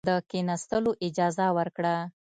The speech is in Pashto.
د کښېنستلو اجازه ورکړه.